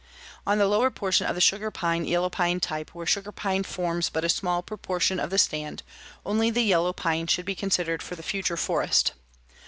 "On the lower portion of the sugar pine yellow pine type, where sugar pine forms but a small proportion of the stand, only the yellow pine should be considered for the future forest.